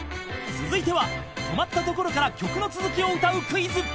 ［続いては止まったところから曲の続きを歌うクイズ］